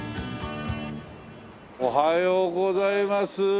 おはようございます。